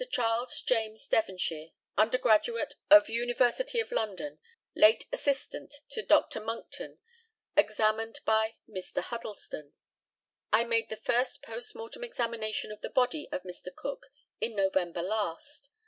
CHARLES JAMES DEVONSHIRE, undergraduate of University of London, late assistant to Dr. Monckton, examined by Mr. HUDDLESTON: I made the first post mortem examination of the body of Mr. Cook in November last.